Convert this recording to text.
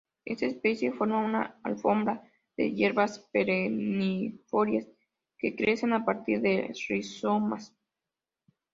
Esta especie forma una alfombra de hierbas perennifolias que crecen a partir de rizomas.